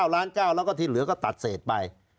แล้วก็ทีเหลือก็ตัดเสร็จไป